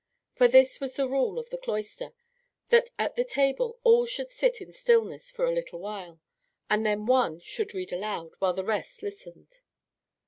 For this was the rule of the cloister, that at the table all should sit in stillness for a little while, and then one should read aloud, while the rest listened.